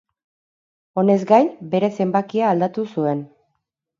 Honez gain, bere zenbakia aldatu zuen.